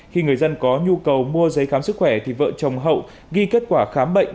khi người dân có nhu cầu mua giấy khám sức khỏe thì vợ chồng hậu ghi kết quả khám bệnh